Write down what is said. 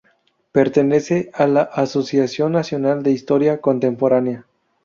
Pertenece a la Asociación Nacional de Historia Contemporánea.